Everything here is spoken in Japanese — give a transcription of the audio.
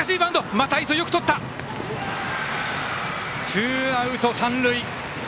ツーアウト、三塁。